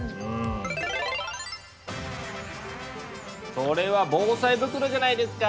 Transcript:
それは防災袋じゃないですか！